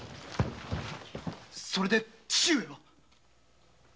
それで父上は？